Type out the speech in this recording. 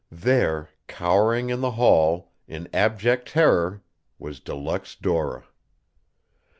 There, cowering in the hall, in abject terror, was De Luxe Dora.